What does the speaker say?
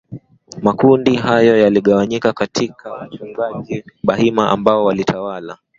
Makundi hayo yaligawanyika katiya wachungaji Bahima ambao walitawala